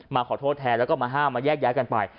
มาขอโทษแทนแล้วก็มาห้ามมาแยกย้ายกันไป